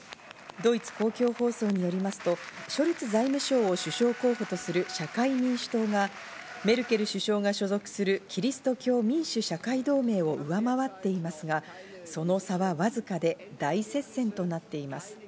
ドイツ公共放送によりますと、ショルツ財務省を首相候補とする社会民主党がメルケル首相が所属するキリスト教民主・社会同盟を上回っていますが、その差はわずかで大接戦となっています。